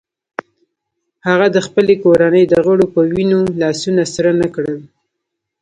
هغه د خپلې کورنۍ د غړو په وینو لاسونه سره نه کړل.